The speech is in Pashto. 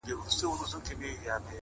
• په ککړو په شکرونو سوه له خدایه -